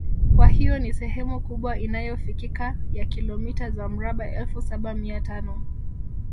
Kwa hiyo ni sehemu kubwa inayofikika ya kilomita za mraba elfu Saba Mia tano